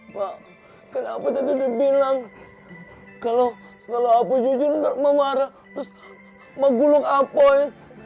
mak kenapa tadi dia bilang kalo apoy jujur gak marah terus maguluk apoy